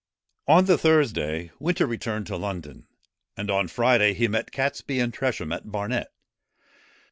On the Thursday, Winter returned to London; and on Friday, he met Catesby and Tresham at Barnet.